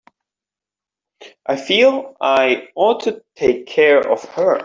I feel I ought to take care of her.